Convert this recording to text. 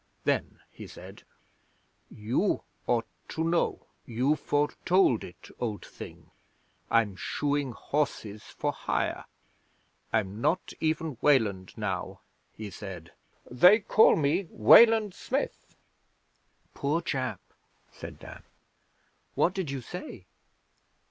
Then he said: "You ought to know. You foretold it, Old Thing. I'm shoeing horses for hire. I'm not even Weland now," he said. "They call me Wayland Smith."' 'Poor chap!' said Dan. 'What did you say?'